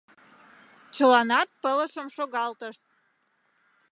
Чыланат пылышым шогалтышт.